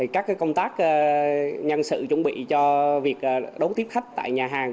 các công tác nhân sự chuẩn bị cho việc đón tiếp khách tại nhà hàng